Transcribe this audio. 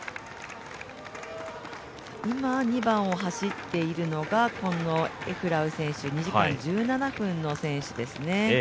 今、２番を走っているのがエフラウ選手、２時間１７分の選手ですね。